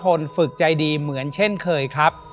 แจ๊ควัชลพลฝึกใจดีเหมือนเช่นเคยครับ